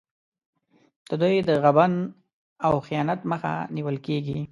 د دوی د غبن او خیانت مخه نیول کېږي.